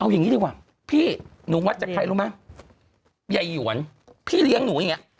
อย่างนี้ดีกว่าพี่หนูวัดจากใครรู้ไหมใหญ่หยวนพี่เลี้ยงหนูอย่างเงี้